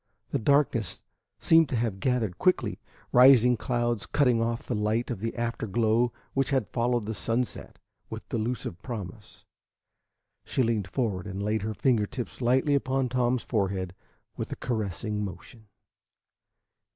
The darkness seemed to have gathered quickly, rising clouds cutting off the light of the after glow which had followed the sunset with delusive promise. She leaned forward and laid her finger tips lightly upon Tom's forehead with a caressing motion.